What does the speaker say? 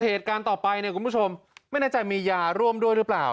เหตุการณ์ต่อไปเนี่ยคุณผู้ชมไม่แน่ใจมียาร่วมด้วยหรือเปล่า